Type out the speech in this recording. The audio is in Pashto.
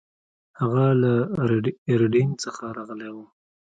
هغه له ریډینګ څخه راغلی و.